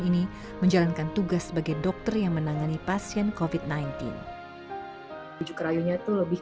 ini menjalankan tugas sebagai dokter yang menangani pasien covid sembilan belas yukrayunya tuh lebih